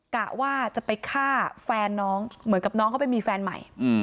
กะว่าจะไปฆ่าแฟนน้องเหมือนกับน้องเขาไปมีแฟนใหม่